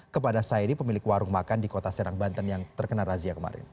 kepada saidi pemilik warung makan di kota serang banten yang terkena razia kemarin